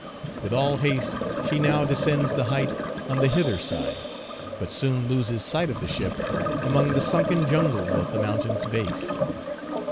With all haste she now descends the height on the hither side, but soon loses sight of the ship among the sunken jungles at the mountain's base.